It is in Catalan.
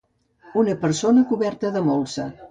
Una persona coberta de molsa.